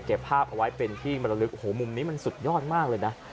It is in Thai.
ภาพเอาไว้เป็นที่มรลึกโอ้โหมุมนี้มันสุดยอดมากเลยนะ